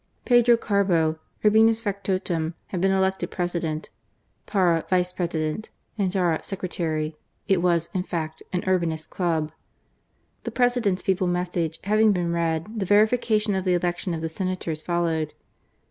Pedro Carbo, Urbina's factotum, had been elected President ; Parra, Vice President ; Endara, Secretary: it was, in fact, an Urbinist club. The President's feeble message having been read, the verification of the election of the Senators followed.